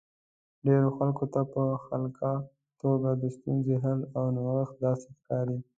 ډېرو خلکو ته په خلاقه توګه د ستونزې حل او نوښت داسې ښکاري.